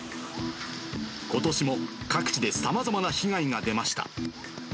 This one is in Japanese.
ことしも、各地でさまざまな被害が出ました。